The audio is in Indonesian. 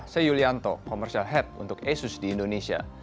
saya yulianto commercial head untuk asus indonesia